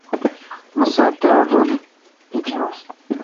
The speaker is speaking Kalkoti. مہ سات تے آڑھ رل ایتیون